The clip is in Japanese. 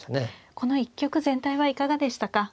この一局全体はいかがでしたか。